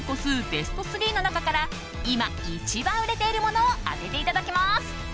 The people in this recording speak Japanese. ベスト３の中から今一番売れているものを当てていただきます。